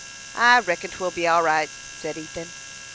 "I reckon 'twill be all right," said Ethan.